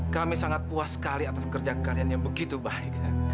kami sangat puas sekali atas kerja kalian yang begitu baik